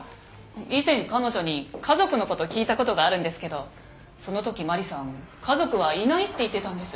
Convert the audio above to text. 以前彼女に家族のこと聞いたことがあるんですけどそのときマリさん「家族はいない」って言ってたんです。